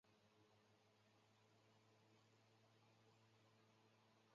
粗刺深虾蛄为深虾蛄科深虾蛄属下的一个种。